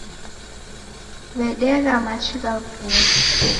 Wedegha machi gha vua